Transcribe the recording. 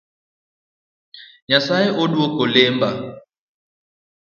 Nyasaye oduoko lemba